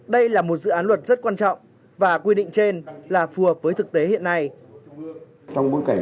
đây là một dự án luật rất quan trọng và quy định trên là phù hợp với thực tế hiện nay